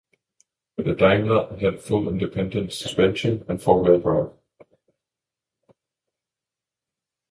The Daimler had full independent suspension and four wheel drive.